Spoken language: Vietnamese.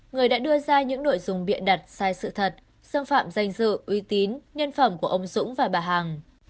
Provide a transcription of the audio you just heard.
người đã đưa ra những nội dung biện đặt sai sự thật xâm phạm danh dự uy tín nhân phẩm của ông dũng và bà hằng